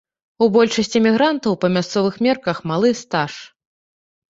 У большасці мігрантаў па мясцовых мерках малы стаж.